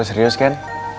lo serius kan